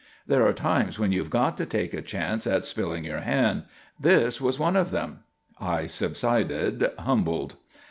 There are times when you have got to take a chance at spilling your hand. This was one of them." I subsided, humbled.